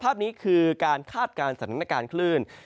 ภาพนี้คือการคาดการณ์สถานการณ์คลื่น